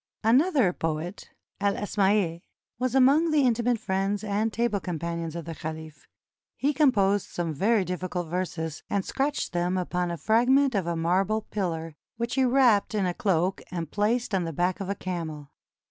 Another poet, El Asmaiy, was among the intimate friends and table companions of the caliph. He composed some very difficult verses, and scratched them upon a fragment of a marble pillar, which he wrapped in a cloak and placed on the back of a camel.